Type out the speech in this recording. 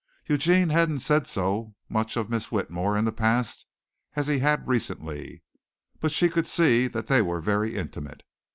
Eugene hadn't said so much of Miss Whitmore in the past as he had recently, but she could see that they were very intimate.